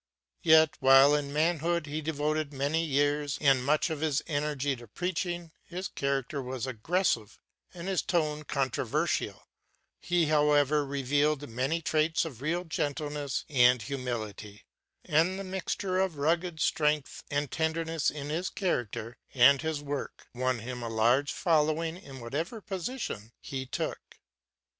Yet while in manhood he devoted many years and much of his energy to preaching, his character was aggressive and his tone controversial, he however revealed many traits of real gentleness and humility, and the mixture of rugged strength and tenderness in his character and his work won him a large following in whatever position he took.